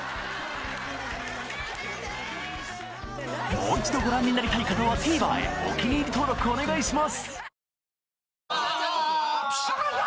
もう一度ご覧になりたい方はＴＶｅｒへお気に入り登録お願いします